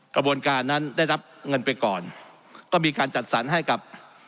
กระบวนการนั้นได้รับเงินไปก่อนก็มีการจัดสรรให้กับ